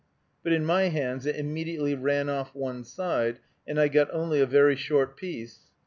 But in my hands it immediately ran off one side, and I got only a very short piece.